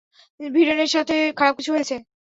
ভিরেনের সাথে খারাপ কিছু হয়েছে!